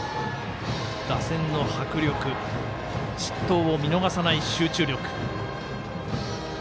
打線の迫力失投を見逃さない集中力。